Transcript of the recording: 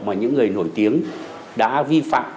mà những người nổi tiếng đã vi phạm